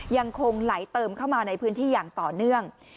ยังคงไหลเติมเข้ามาในพื้นที่อย่างต่อเนื่อง